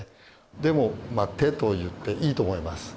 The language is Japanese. でもまあ手と言っていいと思います。